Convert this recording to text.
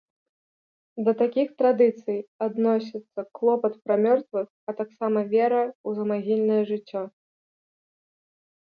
Да такіх традыцый адносяцца клопат пра мёртвых, а таксама вера ў замагільнае жыццё.